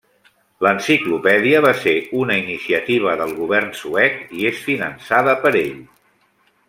L'enciclopèdia va ser una iniciativa del govern suec i és finançada per ell.